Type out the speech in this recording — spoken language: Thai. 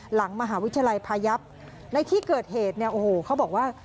หลังมหาวิทยาลัยพายับในที่เกิดเหตุเนี่ยโอ้โหเขาบอกว่า